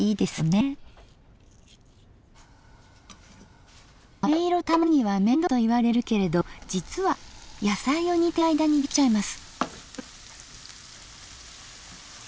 あめ色たまねぎは面倒といわれるけれど実は野菜を煮てる間にできちゃいます。